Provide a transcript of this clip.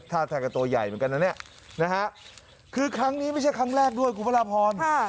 ท่าทางกับตัวใหญ่เหมือนกันนะเนี่ยนะฮะคือครั้งนี้ไม่ใช่ครั้งแรกด้วยคุณพระราพร